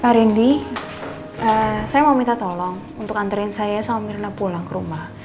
pak rindy saya mau minta tolong untuk antren saya sama mirna pulang ke rumah